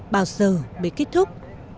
bao giờ mới kết thúc